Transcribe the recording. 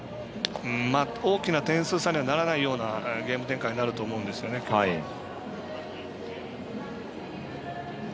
大きな点数差にはならないようなゲーム展開になるような気がします。